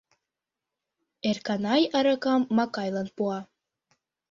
Эрканай аракам Макайлан пуа.